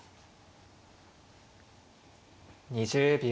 ２０秒。